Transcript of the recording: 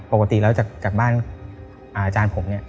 ปกติแล้วจากบ้านอาจารย์ผมเนี่ย